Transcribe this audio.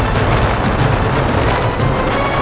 cepat buka capingmu